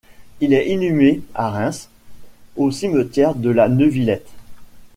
Il est inhumé à Reims, au cimetière de la Neuvillette.